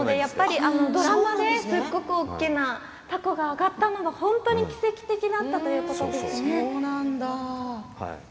ドラマですごく大きなたこが揚がったのは本当に奇跡的だったということなんです。